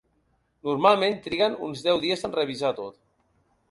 Normalment triguen uns deu dies en revisar tot.